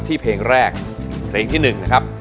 เพลงแรกเพลงที่๑นะครับ